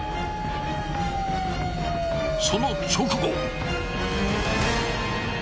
［その直後！］